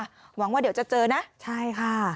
หวังว่าเดี๋ยวจะเจอนะใช่ค่ะ